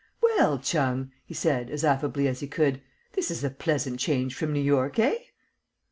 "Well, Chung," he said, as affably as he could, "this is a pleasant change from New York, eh?"